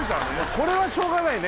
これはしょうがないね